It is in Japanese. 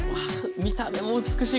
見た目も美しい！